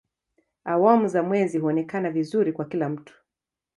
Awamu za mwezi huonekana vizuri kwa kila mtu.